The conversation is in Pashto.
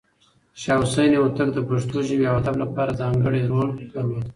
شاه حسين هوتک د پښتو ژبې او ادب لپاره ځانګړی رول درلود.